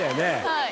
はい。